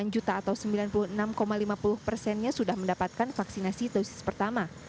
delapan juta atau sembilan puluh enam lima puluh persennya sudah mendapatkan vaksinasi dosis pertama